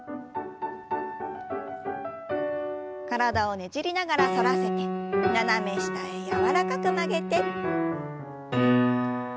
体をねじりながら反らせて斜め下へ柔らかく曲げて。